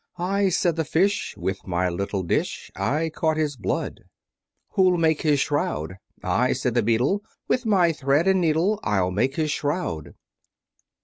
I, said the Fish, With my little dish, I caught his blood. Who'll make his shroud? I, said the Beetle, With my thread and needle, I'll make his shroud.